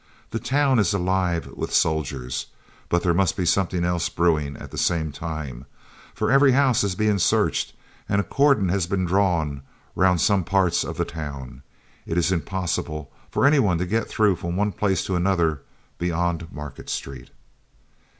"The town is alive with soldiers, but there must be something else brewing at the same time, for every house is being searched, and a cordon has been drawn round some parts of the town. It is impossible for any one to get through from one place to another beyond Market Street."